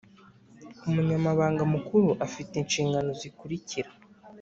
Umunyamabanga Mukuru afite inshingano zikurikira :